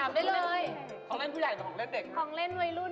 เน้นก็เล่นมาก